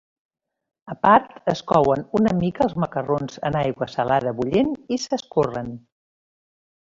A part, es couen una mica els macarrons en aigua salada bullent i s'escorren.